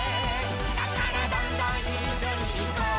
「だからどんどんいっしょにいこう」